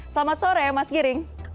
selamat sore mas giring